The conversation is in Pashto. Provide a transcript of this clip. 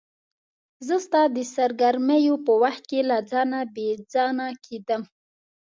زه ستا د سرګرمیو په وخت کې له ځانه بې ځانه کېدم.